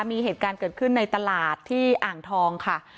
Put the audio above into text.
มีเหตุการณ์เกิดขึ้นในตลาดที่อ่างทองค่ะ